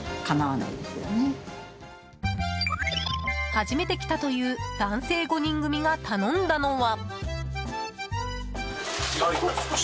初めて来たという男性５人組が頼んだのは。